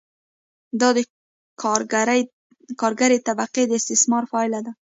دا د کارګرې طبقې د استثمار پایله ده